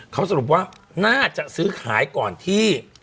เขาสรุปว่าน่าจะซื้อขายก่อนที่